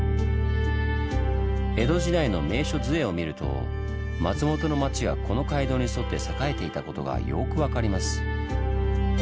江戸時代の名所図会を見ると松本の町はこの街道に沿って栄えていたことがよく分かります。